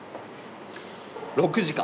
６時間。